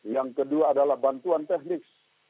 yang kedua adalah bantuan teknik